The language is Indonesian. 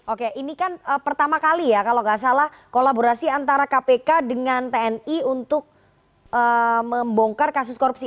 oke ini kan pertama kali ya kalau nggak salah kolaborasi antara kpk dengan tni untuk membongkar kasus korupsi